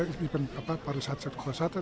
yang dipenuhi pariwisata pariwisata